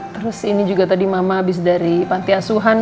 terus ini juga tadi mama habis dari panti asuhan